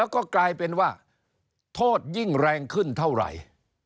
ก็กลายเป็นว่าโทษยิ่งแรงขึ้นเท่าไหร่